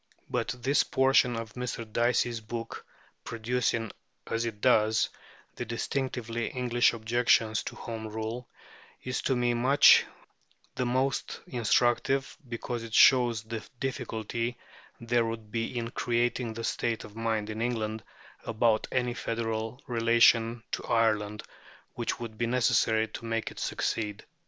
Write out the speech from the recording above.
But this portion of Mr. Dicey's book, producing, as it does, the distinctively English objections to Home rule, is to me much the most instructive, because it shows the difficulty there would be in creating the state of mind in England about any federal relation to Ireland which would be necessary to make it succeed.